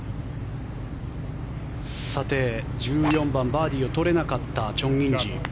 さて、１４番バーディーを取れなかったチョン・インジ。